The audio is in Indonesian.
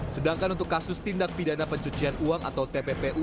sedangkan untuk kasus tindak pidana pencucian uang atau tppu